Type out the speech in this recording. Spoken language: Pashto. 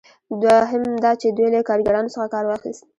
دوهم دا چې دوی له کاریګرانو څخه کار واخیست.